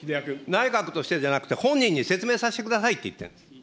内閣としてじゃなくて、本人に説明させてくださいって言ってるんです。